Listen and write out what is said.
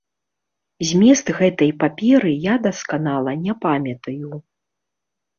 Змест гэтай паперы я дасканала не памятаю.